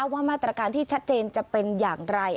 ว่ามาตรการที่ชัดเจนจะเป็นอย่างไร